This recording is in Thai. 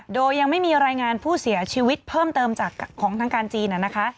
โดยยังไม่มีรายงานผู้เสียชีวิตเพิ่มเติมจากของทางการจีนนะคะ